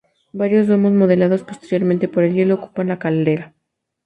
Varios domos modelados posteriormente por el hielo ocupan la caldera.